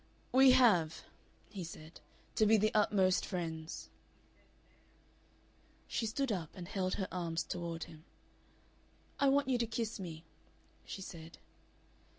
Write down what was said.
"We have," he said, "to be the utmost friends." She stood up and held her arms toward him. "I want you to kiss me," she said.